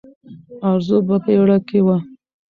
ارزو په بیړه کې وه.